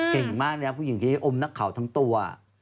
เก่งมากนะครับผู้หญิงที่อมนักข่าวทั้งตัว